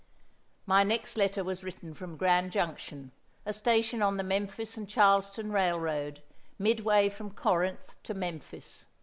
My next letter was written from Grand Junction, a station on the Memphis and Charleston Railroad, midway from Corinth to Memphis.